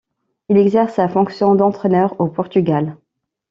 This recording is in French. Il exerce sa fonction d'entraîneur au Portugal.